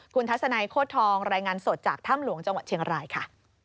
คุณทัศนัยโคตรทองรายงานสดจากถ้ำหลวงจังหวัดเชียงรายค่ะ